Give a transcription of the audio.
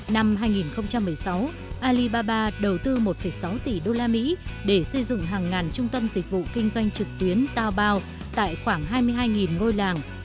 năm hai nghìn một mươi sáu alibaba đầu tư một sáu tỷ usd để xây dựng hàng ngàn trung tâm dịch vụ kinh doanh trực tuyến tao bao tại khoảng hai mươi hai ngôi làng